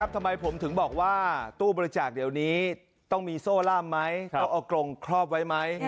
ทำไมผมถึงบอกว่าตู้บริจาคเดี๋ยวนี้ต้องมีโซ่ล่ามไหมต้องเอากรงครอบไว้ไหม